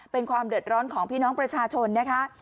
เป็นความเดือดร้อนของพี่น้องประชาชนนะคะ